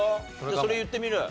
それ言ってみる？